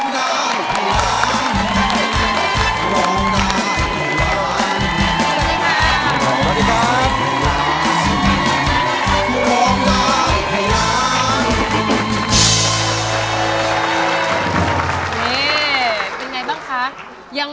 สวัสดีครับ